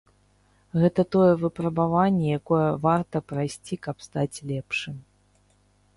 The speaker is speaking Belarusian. Гэта тое выпрабаванне, якое варта прайсці, каб стаць лепшым.